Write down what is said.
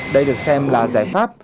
đây được xem là giải pháp